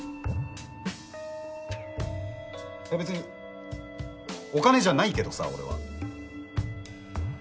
いやべつにお金じゃないけどさ俺は。